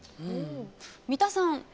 三田さん